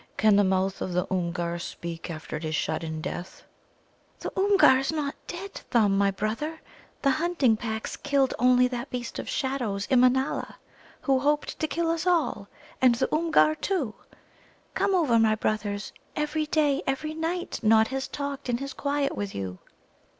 "Can the mouth of the Oomgar speak after it is shut in death?" "The Oomgar is not dead, Thumb, my brother; the hunting packs killed only that Beast of Shadows, Immanâla, who hoped to kill us all, and the Oomgar, too. Come over, my brothers! Every day, every night, Nod has talked in his quiet with you."